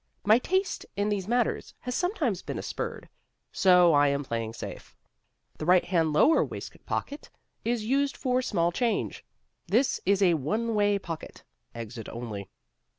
My taste in these matters has sometimes been aspersed, so I am playing safe. The right hand lower waistcoat pocket is used for small change. This is a one way pocket; exit only.